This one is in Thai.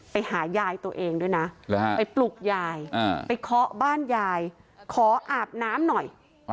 ไปหายายตัวเองด้วยนะไปปลุกยายไปเคาะบ้านยายขออาบน้ำหน่อย